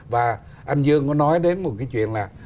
và anh dương có nói đến một cái chuyện là